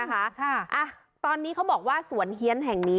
ค่ะตอนนี้เขาบอกว่าสวนเฮียนแห่งนี้